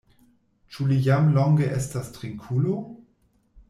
Ĉu li jam longe estas trinkulo?